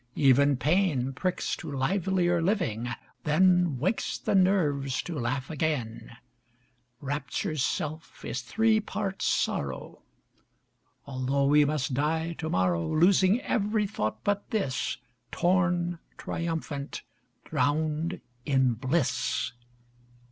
Even pain Pricks to livelier living, then Wakes the nerves to laugh again, Rapture's self is three parts sorrow. Although we must die to morrow, Losing every thought but this; Torn, triumphant, drowned in bliss.